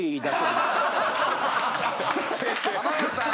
浜田さん！